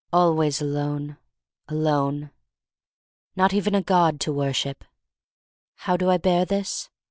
Always alone— alone. Not even a God to worship. How do I bear this?